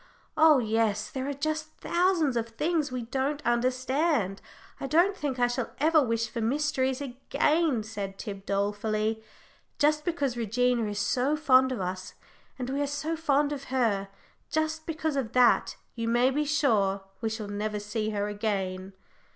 Oh yes, there are just thousands of things we don't understand. I don't think I shall ever wish for mysteries again," said Tib, dolefully. "Just because Regina is so fond of us, and we are so fond of her just because of that you may be sure we shall never see her again."